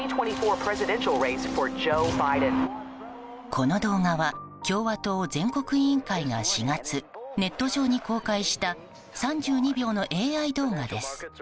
この動画は共和党全国委員会が、４月ネット上に公開した３２秒のＡＩ動画です。